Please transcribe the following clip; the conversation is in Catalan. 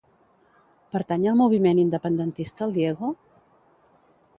Pertany al moviment independentista el Diego?